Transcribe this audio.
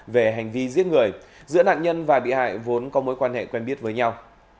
về hành vi giết người giữa nạn nhân và bị hại vốn có mối quan hệ quen biết với nhau